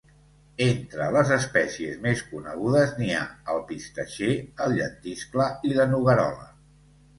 Entre les espècies més conegudes n'hi ha el pistatxer, el llentiscle i la noguerola.